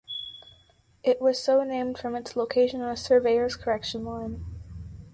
It was so named from its location on a surveyors' correction line.